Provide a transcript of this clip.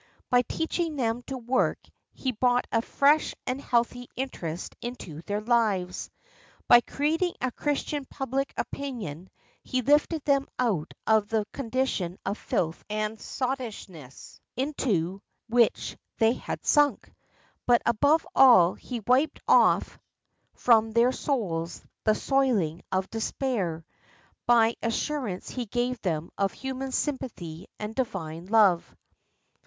By teaching them to work he brought a fresh and healthy interest into their lives. By creating a Christian pubHc opinion he Hfted them out of the condition of filth and sottishness into which they had sunk. But, above all, he wiped off from their souls "the soiling of despair" by the assurance he gave them of human sympathy and Divine love.